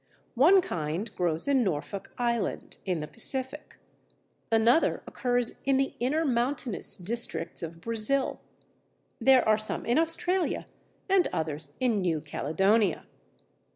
One kind grows in Norfolk Island, in the Pacific; another occurs in the inner mountainous districts of Brazil; there are some in Australia and others in New Caledonia.